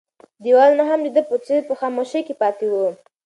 دیوالونه هم د ده په څېر په خاموشۍ کې پاتې وو.